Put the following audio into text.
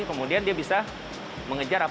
kemudian aku akan mencari pengetahuan yang lebih baik